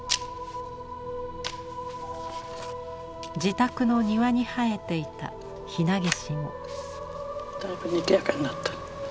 自宅の庭に生えていたひなげしも。